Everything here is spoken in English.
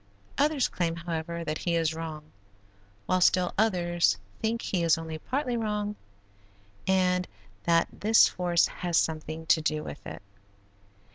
Others claim, however, that he is wrong, while still others think he is only partly wrong and that this force has something to do with it.